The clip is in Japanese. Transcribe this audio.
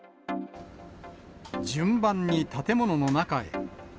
順番に建物の中へ。